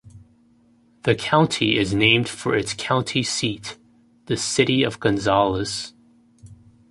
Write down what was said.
The county is named for its county seat, the city of Gonzales.